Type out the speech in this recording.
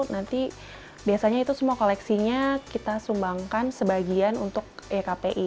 nanti biasanya itu semua koleksinya kita sumbangkan sebagian untuk ekpi